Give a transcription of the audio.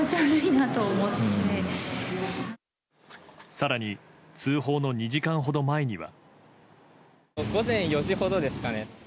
更に通報の２時間ほど前には。